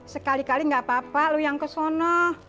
sekali kali gak apa apa lo yang ke sana